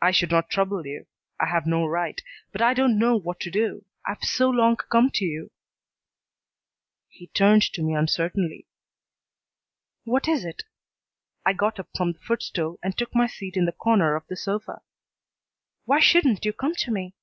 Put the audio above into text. "I should not trouble you. I have no right, but I don't know what to do. I've so long come to you " He turned to me uncertainly. "What is it?" I got up from the footstool and took my seat in the corner of the sofa. "Why shouldn't you come to me?"